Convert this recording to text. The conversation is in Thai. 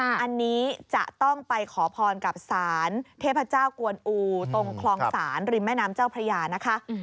อันนี้จะต้องไปขอพรกับสารเทพเจ้ากวนอูตรงคลองศาลริมแม่น้ำเจ้าพระยานะคะ